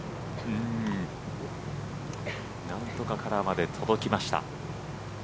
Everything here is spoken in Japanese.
何とかカラーまで届きました。